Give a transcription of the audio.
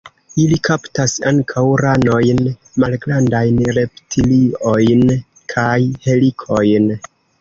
Ili kaptas ankaŭ ranojn, malgrandajn reptiliojn kaj helikojn.